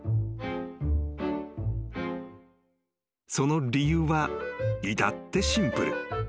［その理由は至ってシンプル］